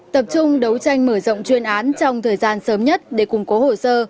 tập trung đấu tranh mở rộng chuyên án trong thời gian sớm nhất để củng cố hồ sơ